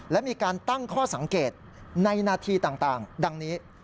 และมีการตั้งข้อสังเกตในนาทีต่างดังนี้